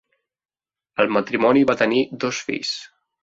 El matrimoni va tenir dos fills.